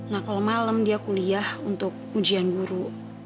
nah kalau malam dia kuliah untuk ujian guru